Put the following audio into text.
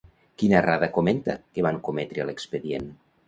Quina errada comenta que van cometre a l'expedient?